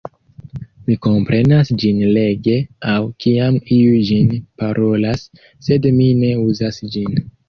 Mi komprenas ĝin lege aŭ kiam iu ĝin parolas, sed mi ne uzas ĝin.